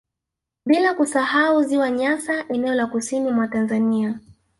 Bila kusahau ziwa Nyasa eneo la kusini mwa Tanzania